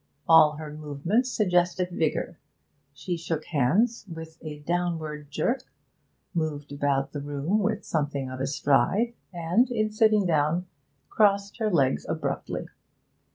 All her movements suggested vigour; she shook hands with a downward jerk, moved about the room with something of a stride and, in sitting down, crossed her legs abruptly.